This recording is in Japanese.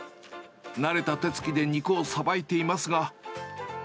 慣れた手つきで肉をさばいていますが。